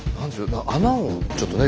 穴をちょっとね